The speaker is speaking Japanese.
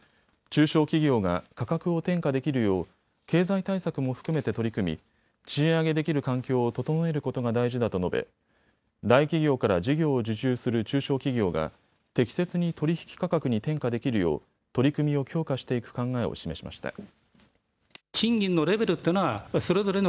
中小企業が価格を転嫁できるよう経済対策も含めて取り組み賃上げできる環境を整えることが大事だと述べ大企業から事業を受注する中小企業が適切に取引価格に転嫁できるよう取り組みを強化していく考えを示しました。